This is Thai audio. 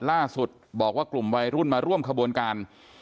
ล่าสุดบอกว่ากลุ่มวัยรุ่นมาร่วมขบวนการ